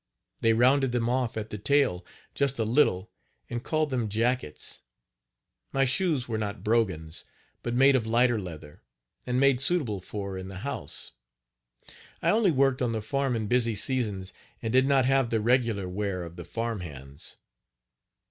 They rounded them off at the tail just a little and called them jackets. My shoes were not brogans, but made of lighter leather, and made suitable for in the house. I only worked on the farm in busy seasons, and did not have the regular wear of the farm hands.